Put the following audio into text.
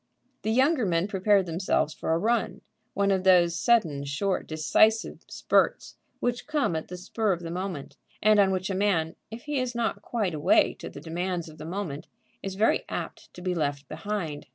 The younger men prepared themselves for a run, one of those sudden, short, decisive spurts which come at the spur of the moment, and on which a man, if he is not quite awake to the demands of the moment, is very apt to be left behind.